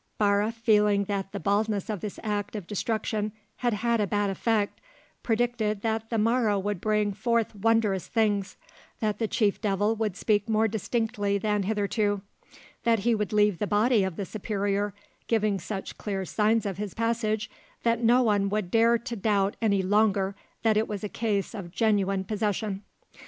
Barre feeling that the baldness of this act of destruction had had a bad effect, predicted that the morrow would bring forth wondrous things; that the chief devil would speak more distinctly than hitherto; that he would leave the body of the superior, giving such clear signs of his passage that no one would dare to doubt any longer that it was a case of genuine possession.